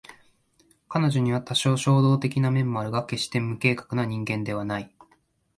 彼女には多少衝動的な面もあるが決して無計画な人間ではない